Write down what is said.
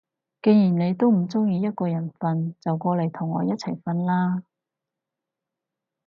既然你都唔中意一個人瞓，就過嚟同我一齊瞓啦